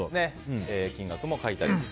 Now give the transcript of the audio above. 金額も書いてあります。